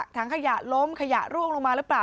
ถังขยะล้มขยะร่วงลงมาหรือเปล่า